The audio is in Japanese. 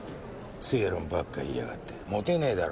正論ばっか言いやがってモテねぇだろ？